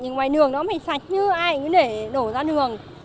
ở nhà sạch ngoài đường nó không phải sạch cứ ai cứ để đổ ra đường